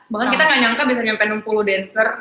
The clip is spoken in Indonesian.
bahkan kita gak nyangka bisa nyampe enam puluh dancer